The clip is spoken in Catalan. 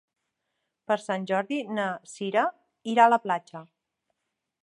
Per Sant Jordi na Cira irà a la platja.